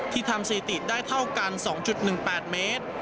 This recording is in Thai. ทำสถิติได้เท่ากัน๒๑๘เมตร